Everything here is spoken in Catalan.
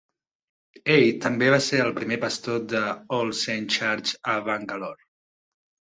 Ell també va ser el primer pastor de All Saints Church a Bangalore.